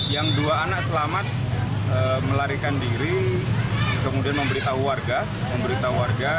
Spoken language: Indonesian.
yang dua anak selamat melarikan diri kemudian memberitahu warga